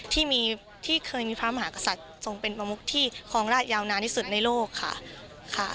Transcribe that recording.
ที่เคยมีพระมหากษัตริย์ทรงเป็นประมุกที่ครองราชยาวนานที่สุดในโลกค่ะ